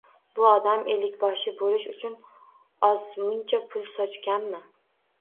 Bu odam ellikboshi bo‘lish uchun ozmuncha pul sochganmi